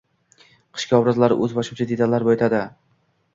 Qishki obrazni qo‘shimcha detallar boyitadi